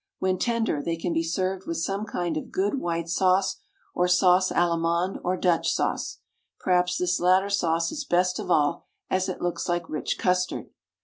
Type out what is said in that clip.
When tender they can be served with some kind of good white sauce, or sauce Allemande or Dutch sauce. Perhaps this latter sauce is best of all, as it looks like rich custard.